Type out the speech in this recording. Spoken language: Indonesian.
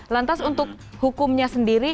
lantas untuk hukumnya sendiri